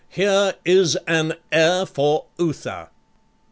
Here is an heir for Uther!'